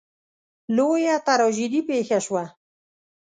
لویه تراژیدي پېښه شوه.